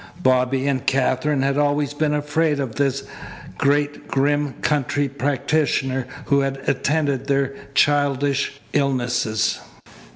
Bobby and Katherine had always been afraid of this great, grim country practitioner who had attended their childish illnesses.